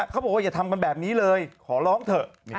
เขาบอกว่าอย่าทำกันแบบนี้เลยขอร้องเถอะ